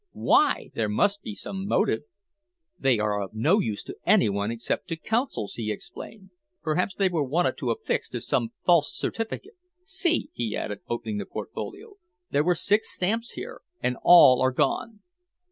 "Why? There must be some motive!" "They are of no use to anyone except to Consuls," he explained. "Perhaps they were wanted to affix to some false certificate. See," he added, opening the portfolio, "there were six stamps here, and all are gone."